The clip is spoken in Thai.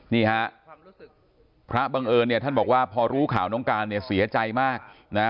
นี่ฮะพระบังเอิญเนี่ยท่านบอกว่าพอรู้ข่าวน้องการเนี่ยเสียใจมากนะ